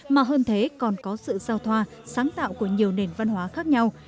mà hơn thế còn có sự giao thoa sáng tạo của nhiều nền văn hóa khác nhau